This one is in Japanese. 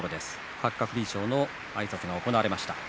八角理事長のあいさつが行われました。